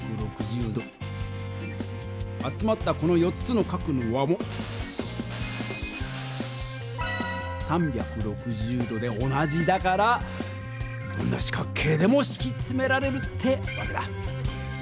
集まったこの４つの角の和も３６０度で同じだからどんな四角形でもしきつめられるってわけだ。